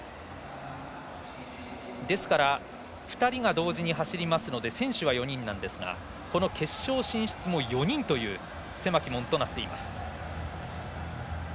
ですから２人が同時に走りますから選手は４人なんですが決勝進出も４人という狭き門となっています。